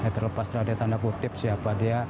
terlepas dari tanda kutip siapa dia